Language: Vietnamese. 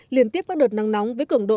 liên tiếp với đợt nắng nóng với cường độ